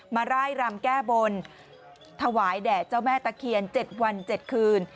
ร่ายรำแก้บนถวายแด่เจ้าแม่ตะเคียน๗วัน๗คืน